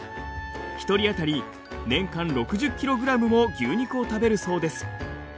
一人あたり年間６０ｋｇも牛肉を食べるそうです。